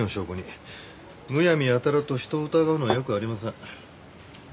むやみやたらと人を疑うのはよくありません。